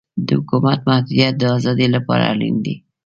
د حکومت محدودیت د ازادۍ لپاره اړین دی.